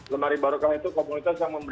lemari merokah itu komunitas lemari merokah